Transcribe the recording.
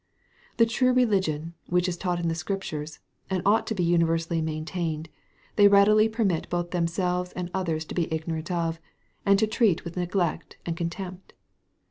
The true religion, which is taught in the Scriptures, and ought to be universally maintained, they readily permit both themselves and others to be ignorant of, and to treat with neglect and contempt.